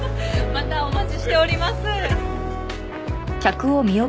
またお待ちしております。